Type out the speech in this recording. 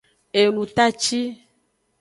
Enutaci.